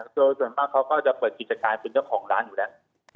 โดยส่วนมากเขาก็จะเปิดกิจการเป็นเจ้าของร้านอยู่แล้ว